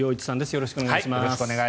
よろしくお願いします。